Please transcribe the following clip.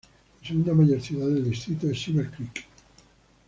La segunda mayor ciudad del distrito es Silver Creek.